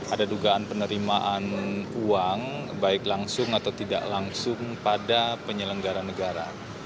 ada dugaan penerimaan uang baik langsung atau tidak langsung pada penyelenggara negara